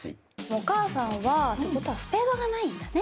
お母さんはってことはスペードがないんだね。